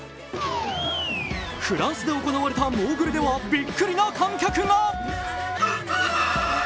フランスで行われたモーグルではびっくりな観客が。